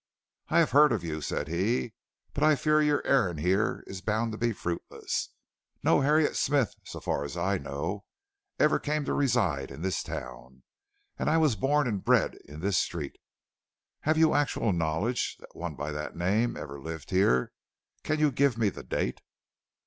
"I have heard of you," said he, "but I fear your errand here is bound to be fruitless. No Harriet Smith, so far as I know, ever came to reside in this town. And I was born and bred in this street. Have you actual knowledge that one by that name ever lived here, and can you give me the date?"